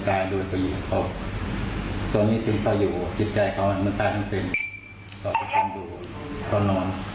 เกิดอะไรกับเด็กขึ้น